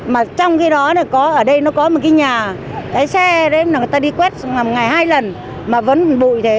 mà trong khi đó ở đây nó có một cái nhà cái xe đấy người ta đi quét một ngày hai lần mà vẫn bụi thế